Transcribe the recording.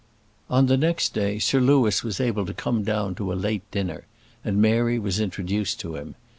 On the next day Sir Louis was able to come down to a late dinner, and Mary was introduced to him.